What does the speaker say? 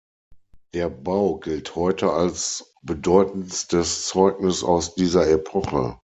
Der Bau gilt heute als bedeutendstes Zeugnis aus dieser Epoche.